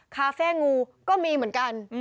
คาเฟ่งูก็มีเหมือนกัน